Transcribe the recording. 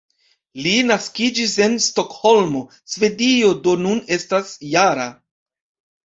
Li naskiĝis en Stokholmo, Svedio, do nun estas -jara.